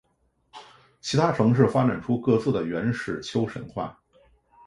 其他城市发展出各自的原始丘神话。